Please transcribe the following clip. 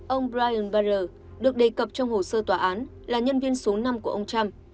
ông brian banrer được đề cập trong hồ sơ tòa án là nhân viên số năm của ông trump